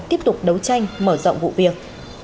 tiếp tục đấu tranh mở rộng vụ việc